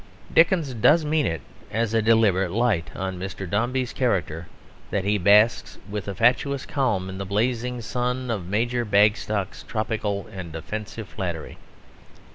Dickens does mean it as a deliberate light on Mr. Dombey's character that he basks with a fatuous calm in the blazing sun of Major Bagstock's tropical and offensive flattery.